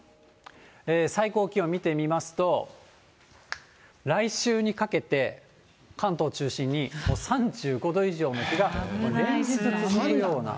最高気温見てみますと、来週にかけて、関東中心に３５度以上の日が連日続くような。